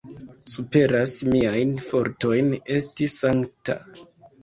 Superas miajn fortojn esti sankta.